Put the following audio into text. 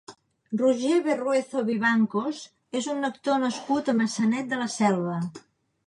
Roger Berruezo Vivancos és un actor nascut a Maçanet de la Selva.